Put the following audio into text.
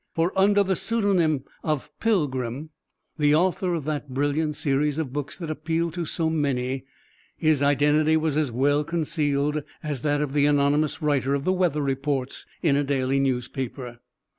For under the pseudonym of "Pilgrim" (the author of that brilliant series of books that appealed to so many), his identity was as well concealed as that of the anonymous writer of the weather reports in a daily newspaper.